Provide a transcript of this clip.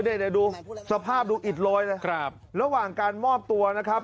เดี๋ยวดูสภาพดูอิดโรยเลยครับระหว่างการมอบตัวนะครับ